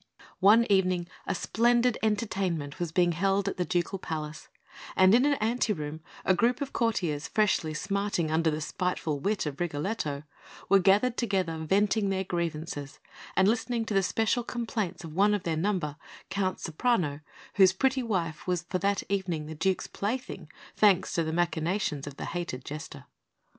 One evening, a splendid entertainment was being held at the Ducal Palace, and in an ante room a group of courtiers, freshly smarting under the spiteful wit of Rigoletto, were gathered together venting their grievances, and listening to the special complaints of one of their number, Count Ceprano, whose pretty wife was for that evening the Duke's plaything, thanks to the machinations of the hated Jester.